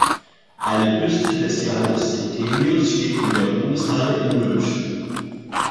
Eine Büste des Johannes Trithemius steht in der Ruhmeshalle in München.